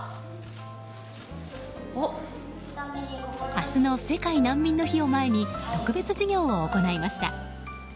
明日の世界難民の日を前に特別授業を行いました。